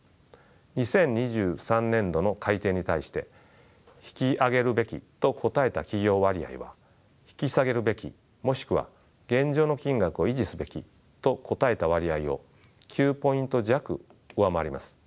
２０２３年度の改定に対して「引き上げるべき」と答えた企業割合は「引き下げるべきもしくは現状の金額を維持すべき」と答えた割合を９ポイント弱上回ります。